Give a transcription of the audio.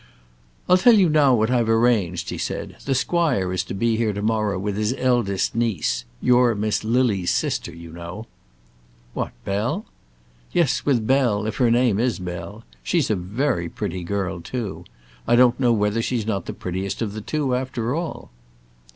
"I'll tell you now what I have arranged," said he. "The squire is to be here to morrow with his eldest niece, your Miss Lily's sister, you know." "What, Bell?" "Yes, with Bell, if her name is Bell. She's a very pretty girl, too. I don't know whether she's not the prettiest of the two, after all."